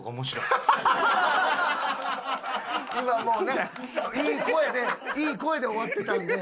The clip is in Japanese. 今もうねいい声でいい声で終わってたんで。